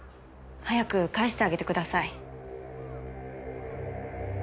早く帰してあげてください。